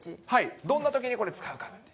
どんなときに、これ使うか。